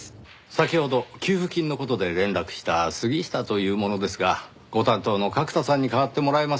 先ほど給付金の事で連絡した杉下という者ですがご担当の角田さんに代わってもらえますか？